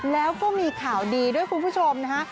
แล้วก็มีข่าวดีด้วยคุณผู้ชมนะฮะ